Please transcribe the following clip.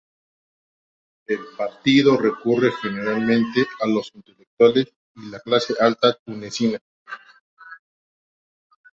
El partido recurre generalmente a los intelectuales y la clase alta tunecina.